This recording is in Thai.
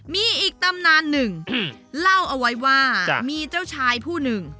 มีอีกตำนานหนึ่งเล่าเอาไว้ว่ามีเจ้าชายผู้หนึ่ง